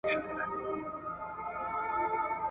ايا ماشوم د لونګ زوی و؟